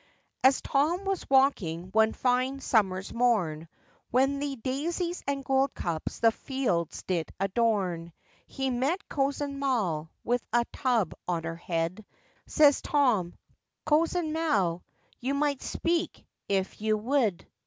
] AS Tom was a walking one fine summer's morn, When the dazies and goldcups the fields did adorn; He met Cozen Mal, with a tub on her head, Says Tom, 'Cozen Mal, you might speak if you we'd.